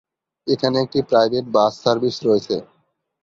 এখানে একটি private bus service রয়েছে।